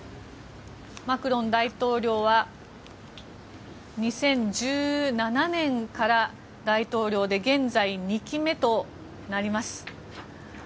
マクロン大統領は２０１７年から大統領で現在２期目となります。